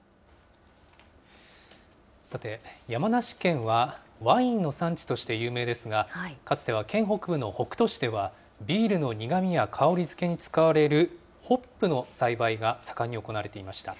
さて、山梨県はワインの産地として有名ですが、かつては県北部の北杜市では、ビールの苦みや香り付けに使われるホップの栽培が盛んに行われていました。